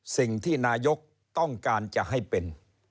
สิ่งที่นายกต้องการจะให้เป็น